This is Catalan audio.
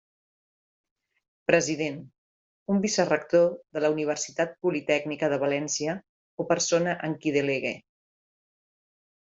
President: un vicerector de la Universitat Politècnica de València o persona en qui delegue.